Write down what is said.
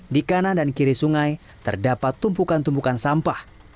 di kanan dan kiri sungai terdapat tumpukan tumpukan sampah